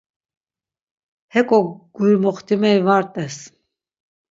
heǩo guri moxtimeri var rt̆es.